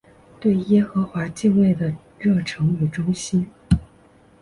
对耶和华敬畏的热诚与忠心。